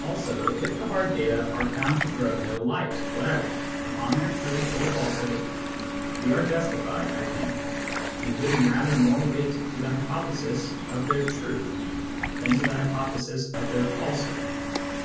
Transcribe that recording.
Also, if the hard data are found to throw no light whatever upon their truth or falsehood, we are justified, I think, in giving rather more weight to the hypothesis of their truth than to the hypothesis of their falsehood.